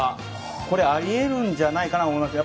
これ、あり得るんじゃないかと思いますね。